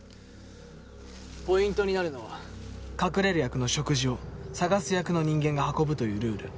ポイントになるのは隠れる役の食事を探す役の人間が運ぶというルール。